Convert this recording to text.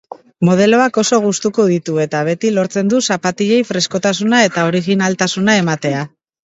Modeloak oso gustuko ditu eta beti lortzen du zapatilei freskotasuna eta originaltasuna ematea.